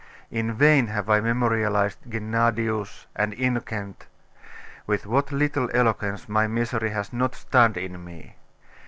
In vain have I memorialised Gennadius and Innocent, with what little eloquence my misery has not stunned in me.